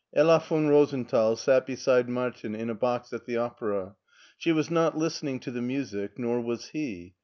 Hella von Rosenthal sat beside Martin in a box at the opera. She was not listen ing to the music, nor was he.